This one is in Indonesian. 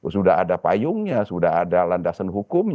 sudah ada payungnya sudah ada landasan hukumnya